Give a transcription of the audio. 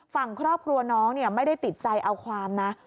ฝั่งครอบครัวน้องไม่ได้ติดใจเอาความนะ